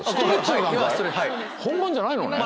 本番じゃないのね。